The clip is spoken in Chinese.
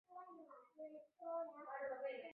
攀鲈亚目为辐鳍鱼纲攀鲈目的其中一个亚目。